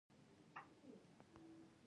مس د افغانستان د طبیعت د ښکلا برخه ده.